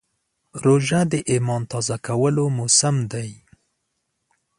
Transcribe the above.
روژه د ایمان تازه کولو موسم دی.